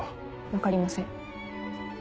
分かりません。